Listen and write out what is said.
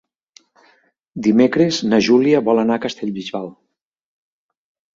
Dimecres na Júlia vol anar a Castellbisbal.